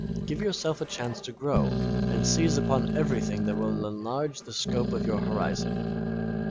Give yourself a chance to grow and seize upon everything that will enlarge the scope of your horizon.